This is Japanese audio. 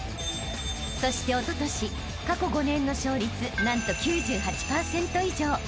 ［そしておととし過去５年の勝率何と９８％以上］